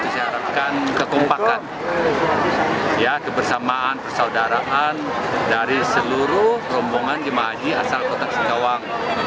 saya harapkan kekompakan kebersamaan persaudaraan dari seluruh rombongan jemaah haji asal kota singkawang